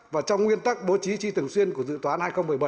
và trong nguyên tắc bố trí chi thường xuyên của dự toán hai nghìn một mươi bảy